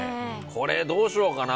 これ、どうしようかな。